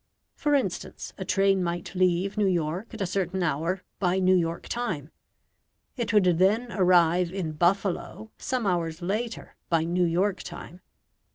For instance, a train might leave New York at a certain hour by New York time. It would then arrive in Buffalo some hours later by New York time.